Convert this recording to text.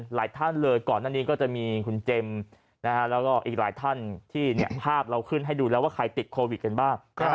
หลายท่านเลยก่อนหน้านี้ก็จะมีคุณเจมส์แล้วก็อีกหลายท่านที่ภาพเราขึ้นให้ดูแล้วว่าใครติดโควิดกันบ้าง